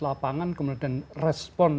lapangan kemudian respon